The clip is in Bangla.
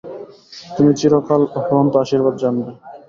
তুমি চিরকাল অফুরন্ত আশীর্বাদ জানবে।